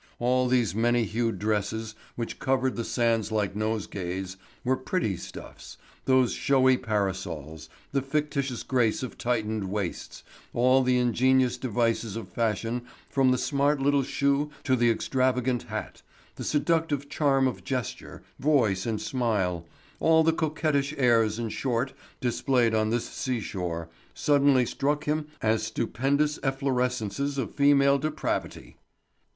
All these many hued dresses which covered the sands like nosegays, these pretty stuffs, those showy parasols, the fictitious grace of tightened waists, all the ingenious devices of fashion from the smart little shoe to the extravagant hat, the seductive charm of gesture, voice, and smile, all the coquettish airs in short displayed on this seashore, suddenly struck him as stupendous efflorescences of female depravity.